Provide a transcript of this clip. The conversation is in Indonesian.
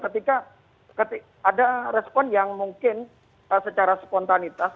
ketika ada respon yang mungkin secara spontanitas